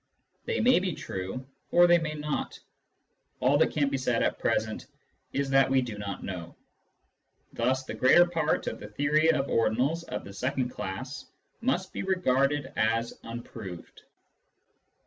They may be true, or they may not. All that can be said at present is that we do not know. Thus the greater part of the theory of ordinals of the second class must be regarded as unproved.